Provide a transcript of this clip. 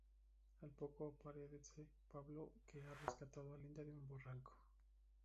Al poco aparece Pablo, que ha rescatado a Linda de un barranco.